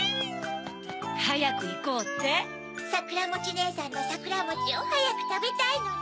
ねえさんのさくらもちをはやくたべたいのね？